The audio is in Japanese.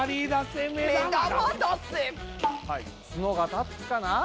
ツノが立つかな？